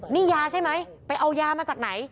นี่ยาใช่ไหมไปเอายามาจากไหน